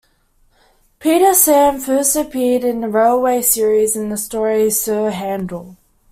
Peter Sam first appeared in "The Railway Series" in the story "Sir Handel".